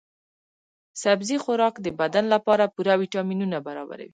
سبزي خوراک د بدن لپاره پوره ويټامینونه برابروي.